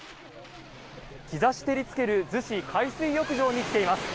日差し照りつける逗子海水浴場に来ています。